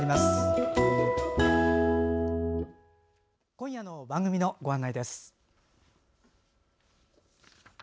今夜の番組のご案内です。